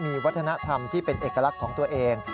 มีวัฒนธรรมที่เป็นเอกลักษณ์ของตัวเอง